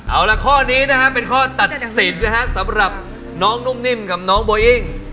เอาละข้อนี้นะครับเป็นข้อตัดสินนะฮะสำหรับน้องนุ่มนิ่มกับน้องโบอิ้ง